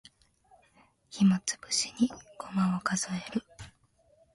暇つぶしにごまを数える